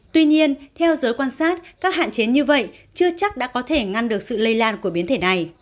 tuy nhiên theo giới quan sát các hạn chế như vậy chưa chắc đã có thể ngăn được sự lây lan của biến thể này